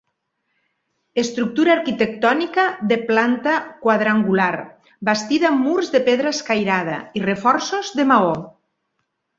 Estructura arquitectònica de planta quadrangular, bastida amb murs de pedra escairada i reforços de maó.